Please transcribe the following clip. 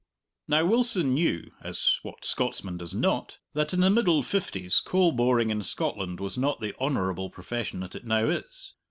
Now Wilson knew (as what Scotsman does not?) that in the middle 'fifties coal boring in Scotland was not the honourable profession that it now is.